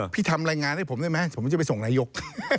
ทำรายงานให้ผมได้ไหมผมจะไปส่งนายก